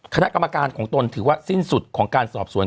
คณะกรรมการของตนถือว่าสิ้นสุดของการสอบสวน